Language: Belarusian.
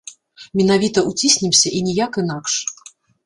Менавіта ўціснемся, і ніяк інакш.